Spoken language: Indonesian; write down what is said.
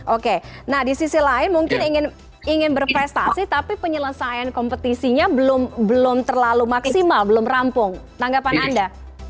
oke nah di sisi lain mungkin ingin berprestasi tapi penyelesaian kompetisinya belum terlalu maksimal belum rampung tanggapan anda